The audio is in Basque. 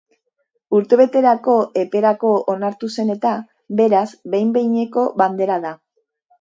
Urtebeterako eperako onartu zen eta, beraz, behin-behineko bandera da.